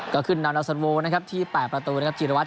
ก็ขึ้นดาวนาสนวงนะครับที่แป่ประตูนะครับจิตรวัตร